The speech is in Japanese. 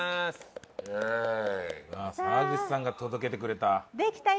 沢口さんが届けてくれた。